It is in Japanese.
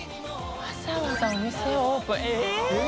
わざわざお店をオープンえぇ！